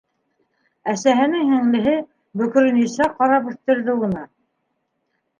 Әсәһенең һеңлеһе, бөкрө Ниса ҡарап үҫтерҙе уны.